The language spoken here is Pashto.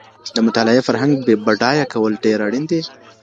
د مطالعې فرهنګ بډايه کول ډېر اړين دي.